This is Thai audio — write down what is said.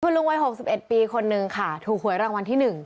คุณลุงวัยหกสิบเอ็ดปีคนนึงค่ะถูกหวยรางวัลที่หนึ่ง